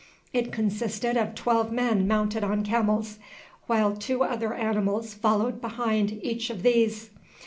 It consisted of twelve men mounted on camels, while two other animals followed behind each of these.